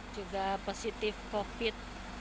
juga positif covid